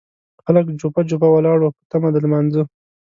خلک جوپه جوپه ولاړ وو په تمه د لمانځه.